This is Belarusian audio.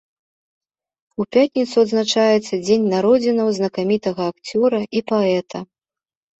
У пятніцу адзначаецца дзень народзінаў знакамітага акцёра і паэта.